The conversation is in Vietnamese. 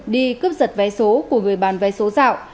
đi cướp giật vé số của người bán vé số dạo